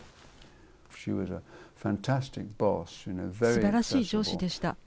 すばらしい上司でした。